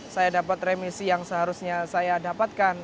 saya dapat remisi yang seharusnya saya dapatkan